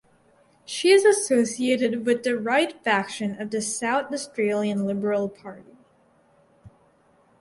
She is associated with the Right faction of the South Australian Liberal Party.